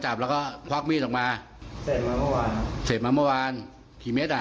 โอ้โหเม็ดเดียวแล้วเป็นขนาดนี้เลยนะฮะ